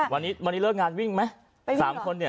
วันนี้เลิกงานวิ่งไหม๓คนเนี่ย